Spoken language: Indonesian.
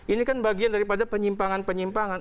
ini kan bagian daripada penyimpangan penyimpangan